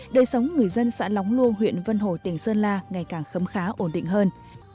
đời sống người dân xã lóng luông huyện vân hồ tỉnh sơn la ngày càng khấm khá ổn định hơn